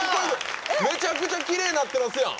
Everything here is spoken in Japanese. めちゃくちゃ奇麗になってますやん。